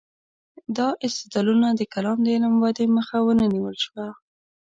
دا استدلالونه د کلام د علم ودې مخه ونه نیول شوه.